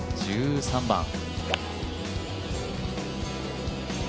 １３番。